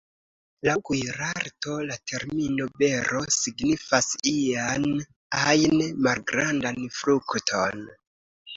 Laŭ kuirarto, la termino ""bero"" signifas ian ajn malgrandan frukton.